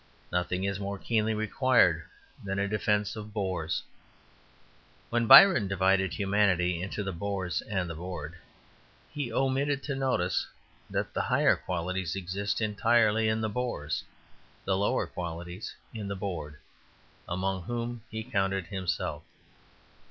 Nothing is more keenly required than a defence of bores. When Byron divided humanity into the bores and bored, he omitted to notice that the higher qualities exist entirely in the bores, the lower qualities in the bored, among whom he counted himself.